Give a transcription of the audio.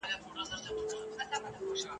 تر څو چي ته یې زه راځمه بې سلا راځمه !.